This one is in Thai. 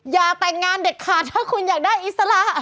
อย่าแต่งงานเด็ดขาดถ้าคุณอยากได้อิสระ